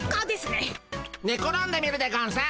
ね転んでみるでゴンス。